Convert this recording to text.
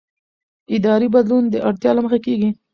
اداري بدلون د اړتیا له مخې کېږي